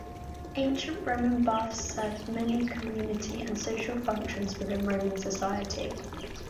Ancient Roman baths served many community and social functions within Roman society.